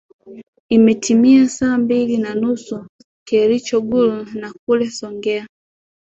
imetimia saa mbili na nusu kericho gulu na kule songea